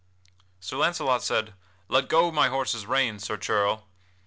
Sir Launcelot said: "Let go my horse's rein, Sir Churl."